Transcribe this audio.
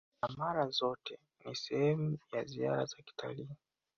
na mara zote ni sehemu ya ziara za kitalii